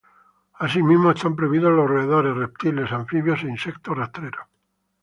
Asimismo están prohibidos los roedores, reptiles, anfibios e insectos rastreros.